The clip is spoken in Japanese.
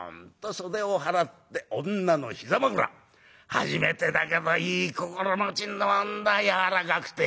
初めてだけどいい心持ちなんだ柔らかくて。